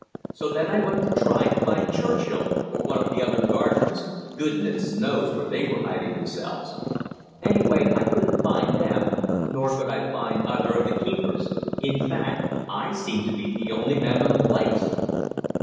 So then I went to try to find Churchill, or one of the other gardeners goodness knows where they were hiding themselves. Anyway, I couldn't find them, nor could I find either of the keepers; in fact, I seemed to be the only man on the place."